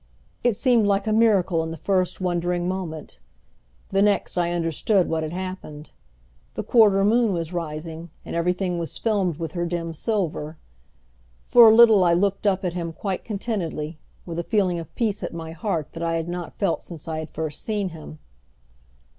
It seemed like a miracle in the first, wondering moment. The next I understood what had happened. The quarter moon was rising, and everything was filmed with her dim silver. For a little I looked up at him quite contentedly, with a feeling of peace at my heart that I had not felt since I had first seen him.